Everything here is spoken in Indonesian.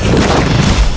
aku harus menolongnya